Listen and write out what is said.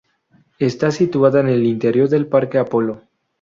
Está situada en el interior del Parque Apolo.